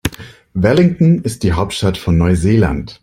Wellington ist die Hauptstadt von Neuseeland.